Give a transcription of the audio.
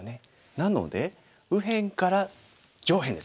なので右辺から上辺ですね